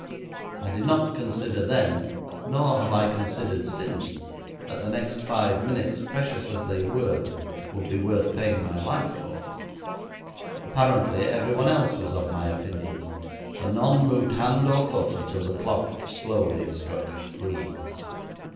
I did not consider then, nor have I considered since, that the next five minutes, precious as they were, would be worth paying my life for. Apparently everyone else was of my opinion, for none moved hand or foot until the clock slowly struck three.